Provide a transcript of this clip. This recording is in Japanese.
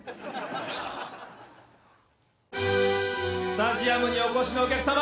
スタジアムにお越しのお客様！